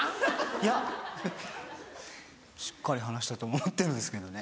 いやしっかり話したと思ってるんですけどね。